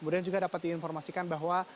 dan juga dapat diinformasikan bahwa